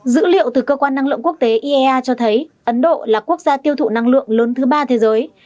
dữ liệu từ cơ quan năng lượng quốc tế iea cho thấy ấn độ là quốc gia tiêu thụ năng lượng lớn thứ ba thế giới